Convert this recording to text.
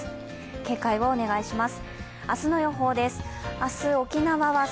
警戒をお願いします。